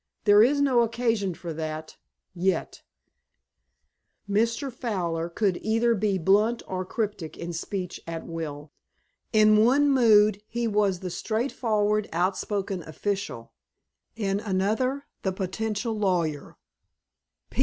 There is no occasion for that—yet." Mr. Fowler could be either blunt or cryptic in speech at will. In one mood he was the straightforward, outspoken official; in another the potential lawyer.